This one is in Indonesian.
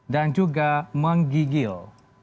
dan juga menggigil